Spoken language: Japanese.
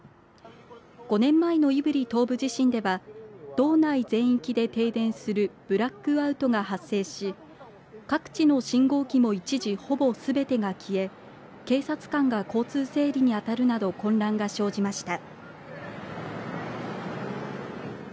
５年前の胆振東部地震では道内全域で停電するブラックアウトが発生し各地の信号機も一時ほぼすべてが消え警察官が交通整理に当たるなど混乱が生じました。